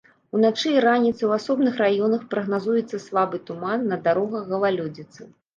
Уначы і раніцай у асобных раёнах прагназуецца слабы туман, на дарогах галалёдзіца.